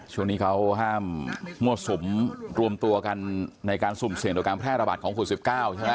ช่วงนี้เขาห้ามมั่วสุมรวมตัวกันในการสุ่มเสี่ยงต่อการแพร่ระบาดของคุณ๑๙ใช่ไหม